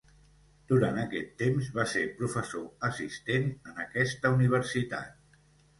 Durant aquest temps va ser professor assistent en aquesta universitat.